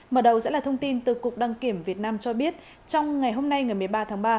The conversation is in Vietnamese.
mở đầu sẽ là thông tin từ cục đăng kiểm việt nam cho biết trong ngày hôm nay ngày một mươi ba tháng ba